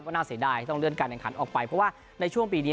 ก็น่าเสียดายที่ต้องเลื่อนการแข่งขันออกไปเพราะว่าในช่วงปีนี้